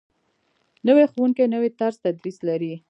نوی ښوونکی نوی طرز تدریس لري